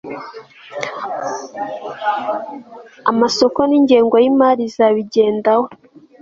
amasoko n ingengo y imari izabigendaho